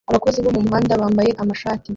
Abakozi bo mumuhanda bambaye amashati